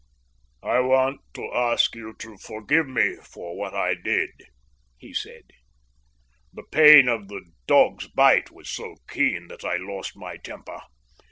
"I want to ask you to forgive me for what I did," he said. "The pain of the dog's bite was so keen that I lost my temper.